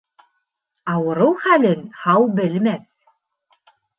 Ауырыу хәлен һау белмәҫ.